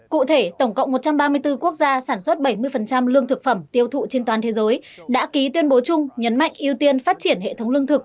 cụ thể tổng cộng một trăm ba mươi bốn quốc gia sản xuất bảy mươi lương thực phẩm tiêu thụ trên toàn thế giới đã ký tuyên bố chung nhấn mạnh ưu tiên phát triển hệ thống lương thực